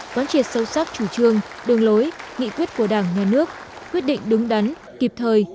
quán triệt sâu sắc chủ trương đường lối nghị quyết của đảng nhà nước quyết định đúng đắn kịp thời